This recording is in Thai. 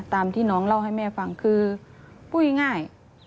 ตามที่น้องเล่าให้แม่ฟังคือพูดง่าย